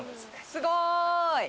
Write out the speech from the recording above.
すごい。